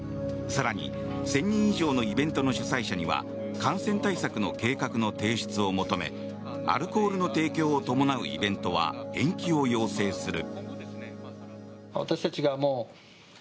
更に、１０００人以上のイベントの主催者には感染対策の計画の提出を求めアルコールの提供を伴うイベントは延期を要請する。